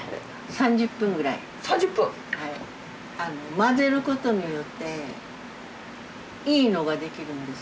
混ぜることによっていいのができるんですよ。